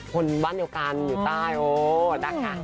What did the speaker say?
คนวัดเดียวกัน